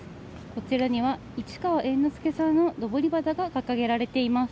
こちらには市川猿之助さんののぼり旗が掲げられています。